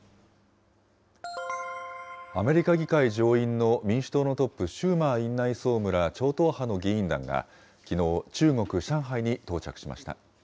アメリカ議会上院の民主党のトップ、シューマー院内総務ら超党派の議員団がきのう、中国・上海に到着しました。